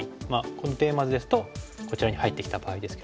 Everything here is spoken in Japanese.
このテーマ図ですとこちらに入ってきた場合ですけども。